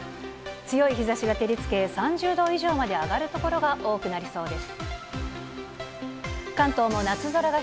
強い日ざしが照りつけ、３０度以上まで上がる所が多くなりそうです。